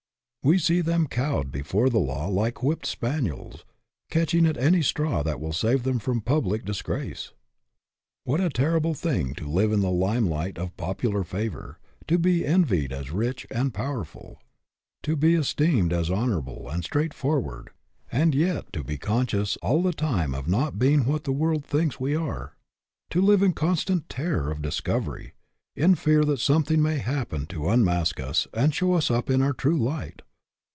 We see them cowed before the law like whipped spaniels ; catching at any straw that will save them from public dis grace ! What a terrible thing to live in the limelight of popular favor, to be envied as rich and powerful, to be esteemed as honorable and straightforward, and yet to be conscious all the time of not being what the world thinks we are ; to live in constant terror of discovery, in fear that something may happen to unmask us and show us up in our true light!